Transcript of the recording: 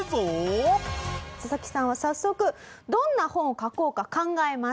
ササキさんは早速どんな本を書こうか考えます。